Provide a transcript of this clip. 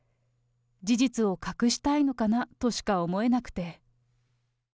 事実を隠したいのかなとしか思えなくて。